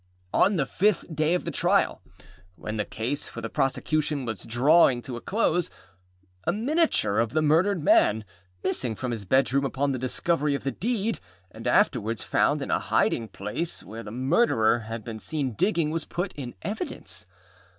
On the fifth day of the trial, when the case for the prosecution was drawing to a close, a miniature of the murdered man, missing from his bedroom upon the discovery of the deed, and afterwards found in a hiding place where the Murderer had been seen digging, was put in evidence.